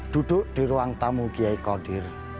duduk di ruang tamu giai kodir